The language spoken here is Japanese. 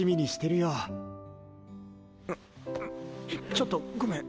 ちょっとごめん。